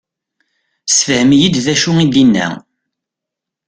Sefhem-iyi-d d acu i d-inna.